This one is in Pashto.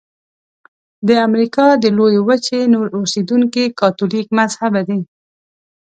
د امریکا د لویې وچې نور اوسیدونکي کاتولیک مذهبه دي.